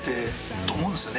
と思うんですよね。